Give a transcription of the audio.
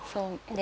で。